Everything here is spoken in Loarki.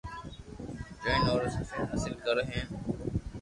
جيون رو سھي مقصد حاصل ڪري ھين